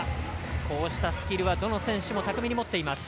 こうしたスキルはどの選手もたくみに持っています。